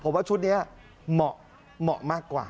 เป็นลุคใหม่ที่หลายคนไม่คุ้นเคย